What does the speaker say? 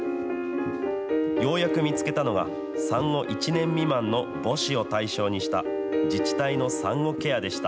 ようやく見つけたのが、産後１年未満の母子を対象にした、自治体の産後ケアでした。